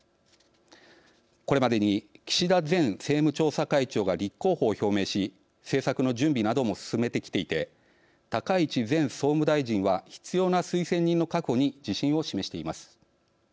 これまでに岸田前政務調査会長が立候補を表明し政策の準備なども進めてきていて高市前総務大臣は必要な推薦人の確保に自信を示しています。